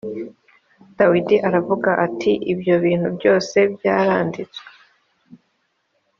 dawidi aravuga ati ibyo bintu byose byaranditswe